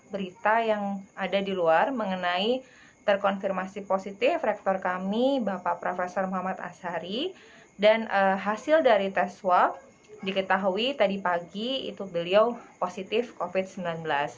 berita yang ada di luar mengenai terkonfirmasi positif rektor kami bapak prof muhammad ashari dan hasil dari tes swab diketahui tadi pagi itu beliau positif covid sembilan belas